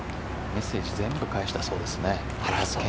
メッセージ全部、返したそうです。